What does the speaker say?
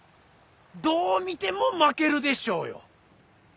どう見ても負けるでしょうよ。